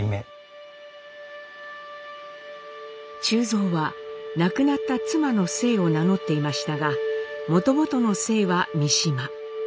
忠蔵は亡くなった妻の姓を名乗っていましたがもともとの姓は三島。